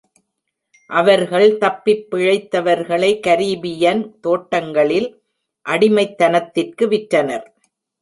அவர்கள் தப்பிப்பிழைத்தவர்களை கரீபியன் தோட்டங்களில் அடிமைத்தனத்திற்கு விற்றனர்.